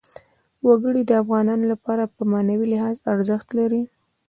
وګړي د افغانانو لپاره په معنوي لحاظ ارزښت لري.